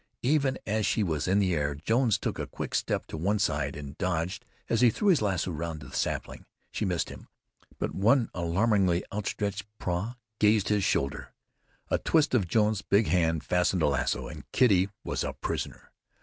Even as she was in the air, Jones took a quick step to one side and dodged as he threw his lasso round the sapling. She missed him, but one alarmingly outstretched paw grazed his shoulder. A twist of Jones's big hand fastened the lasso and Kitty was a prisoner.